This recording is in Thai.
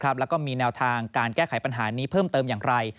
แล้วก็มีแนวทางการแก้ไขปัญหานี้เพิ่มเติมอย่างไร